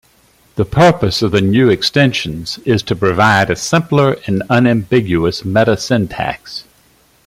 The purpose of the new extensions is to provide a simpler and unambiguous metasyntax.